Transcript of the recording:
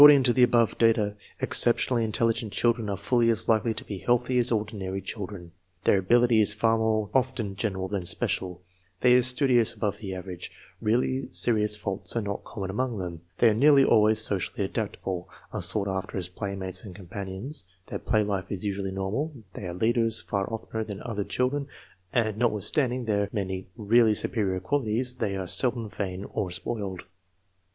a# to the above data, exceptionally intelligent children *i}re fully as likely to be healthy as ordinary chil dren; their ability is far more often general than special, 16 THE MEASUREMENT OF INTELLIGENCE they are studious above the average, really serious faults are not common among them, they are nearly always so cially adaptable, are sought after as playmates and com panions, their play life is usually normal, they are leaders far oftener than other children, and notwithstanding their many really superior qualities they are seldom vain or spoiled.